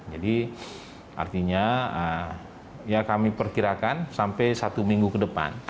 artinya ya kami perkirakan sampai satu minggu ke depan